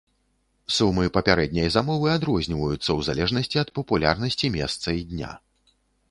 Сумы папярэдняй замовы адрозніваюцца ў залежнасці ад папулярнасці месца і дня.